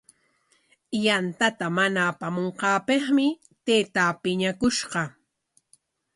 Yantata mana apamunqaapikmi taytaa piñakushqa.